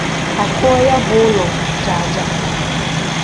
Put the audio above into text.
a kụọ ya bụ ụlọ jàà-jàà.